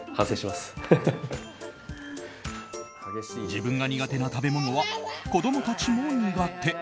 自分が苦手な食べ物は子供たちも苦手。